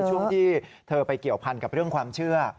ช่วงที่เธอไปเกี่ยวพันกับเรื่องความเชื่อ